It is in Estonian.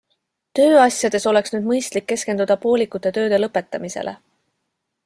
Tööasjades oleks nüüd mõistlik keskenduda poolikute tööde lõpetamisele.